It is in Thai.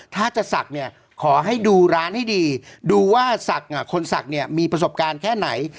ถ้าจะศักดิ์เนี่ยขอให้ดูร้านให้ดีดูว่าคนศักดิ์เนี่ยมีประสบการณ์แค่ไหน